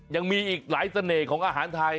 ยังมีอีกหลายเสน่ห์ของอาหารไทย